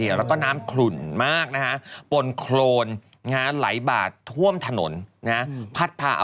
เกี่ยวกับเรื่องของไฟไหม้ปา